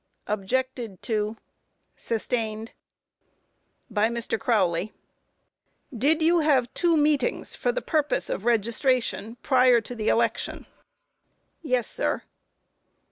Objected to. Sustained. By MR. CROWLEY: Q. Did you have two meetings for the purpose of registration prior to election? A. Yes, sir.